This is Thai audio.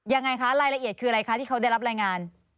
ยังไงคะรายละเอียดคืออะไรคะที่เขาได้รับรายงาน